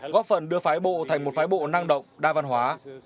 góp phần đưa phái bộ thành một phái bộ năng động đa văn hóa